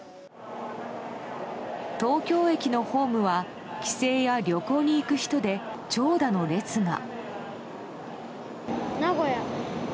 東京駅のホームは帰省や旅行に行く人で長蛇の列が。